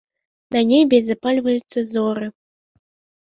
На небе запальваюцца зоры.